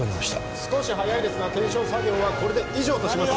少し早いですが検証作業はこれで以上とします